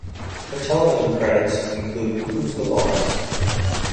Her television credits include Who's the Boss?